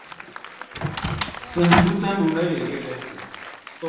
Սնձուտն ուներ եկեղեցի։